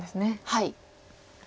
はい。